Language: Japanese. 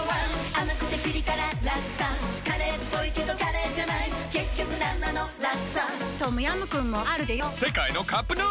甘くてピリ辛ラクサカレーっぽいけどカレーじゃない結局なんなのラクサトムヤムクンもあるでヨ世界のカップヌードル